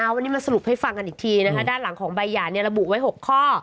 วันนี้มาสรุปให้ฟังกันอีกทีด้านหลังของใบหย่าระบุไว้๖ข้อ